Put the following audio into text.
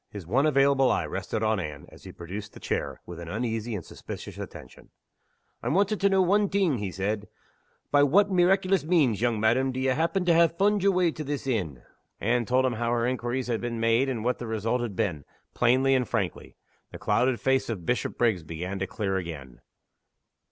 His one available eye rested on Anne, as he produced the chair, with an uneasy and suspicious attention. "I'm wanting to know one thing," he said. "By what meeraiculous means, young madam, do ye happen to ha' fund yer way to this inn?" Anne told him how her inquiries had been made and what the result had been, plainly and frankly. The clouded face of Bishopriggs began to clear again.